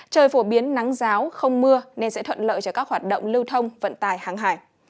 trời phổ biến nắng giáo không mưa nên sẽ thuận lợi cho các hoạt động lưu thông vận tài hàng hải